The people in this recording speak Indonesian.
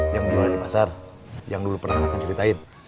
yang jual di pasar yang dulu pernah akan ceritain